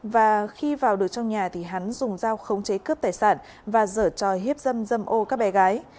và khi vào được trong nhà thì hắn dùng dao khống chế cướp tài sản và dở tròi hiếp dâm dâm ô các bé gái